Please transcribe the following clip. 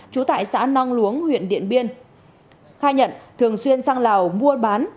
trú tại xã nong luống huyện điện biên khai nhận thường xuyên sang lào mua bán